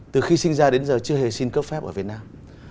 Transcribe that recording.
từ khi sinh ra đến giờ chưa hề xin cấp phép ở việt nam